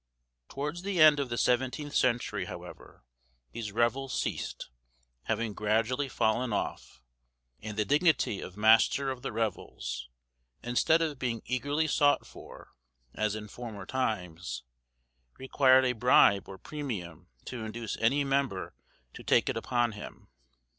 Towards the end of the seventeenth century, however, these revels ceased, having gradually fallen off, and the dignity of master of the revels, instead of being eagerly sought for, as in former times, required a bribe or premium to induce any member to take it upon him.